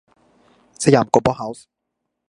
สยามโกลบอลเฮ้าส์